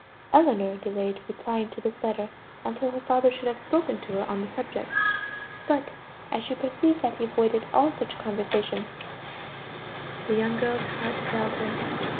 Ellinor delayed replying to this letter until her father should have spoken to her on the subject. But as she perceived that he avoided all such conversation, the young girl's heart failed her.